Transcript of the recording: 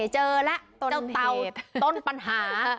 เจอแล้วตอนปัญหา